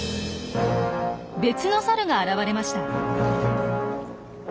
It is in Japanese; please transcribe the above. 別のサルが現れました。